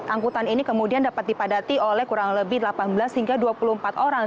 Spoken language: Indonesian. angkutan ini kemudian dapat dipadati oleh kurang lebih delapan belas hingga dua puluh empat orang